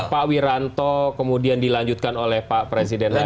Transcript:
pak wiranto kemudian dilanjutkan oleh pak presiden lagi